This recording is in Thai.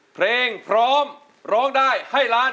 เพลงพร้อมร้องได้ให้ล้าน